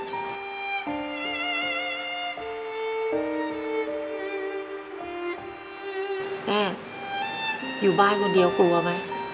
แม่อยู่บ้านคนเดียวกลัวไหม